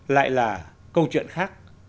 lại là câu chuyện khác